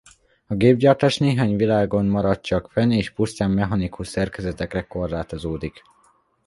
A gépgyártás néhány világon maradt csak fenn és pusztán mechanikus szerkezetekre korlátozódik.